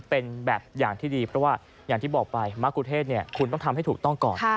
เป็นแบบอย่างที่ดีเพราะว่าอย่างที่บอกไปมะกุเทศคุณต้องทำให้ถูกต้องก่อน